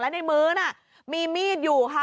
ในมื้อน่ะมีมีดอยู่ค่ะ